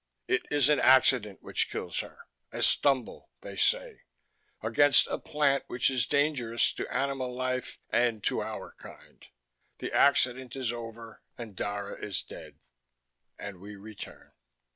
It is an accident which kills her, a stumble, they say, against a plant which is dangerous to animal life and to our kind. The accident is over and Dara is dead, and we return.